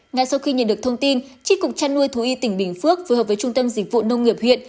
ngay sau khi nhận được thông tin trích cục chăn nuôi thú y tỉnh bình phước phù hợp với trung tâm dịch vụ nông nghiệp huyện